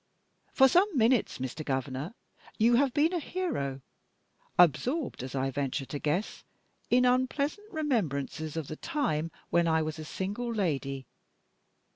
For some minutes, Mr. Governor, you have been a hero; absorbed, as I venture to guess, in unpleasant remembrances of the time when I was a single lady.